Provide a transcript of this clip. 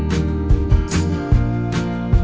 ไม่รู้ทันหรือเปล่า